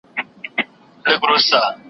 زه پرون د سبا لپاره د سوالونو جواب ورکوم